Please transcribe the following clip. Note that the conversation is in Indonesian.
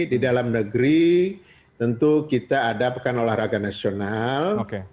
di dalam negeri tentu kita ada pekan olahraga nasional